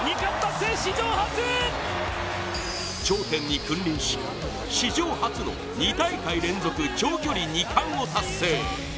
頂点に君臨し、史上初の２大会連続長距離２冠を達成。